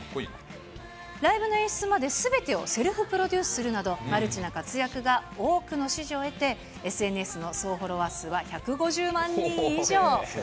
ライブの演出まで、すべてをセルフプロデュースするなど、マルチな活躍が多くの支持を得て、ＳＮＳの総フォロワー数は１５０万人以上。